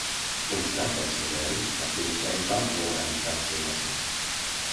Um schlanker zu werden, hat sie sich einen Bandwurm einpflanzen lassen.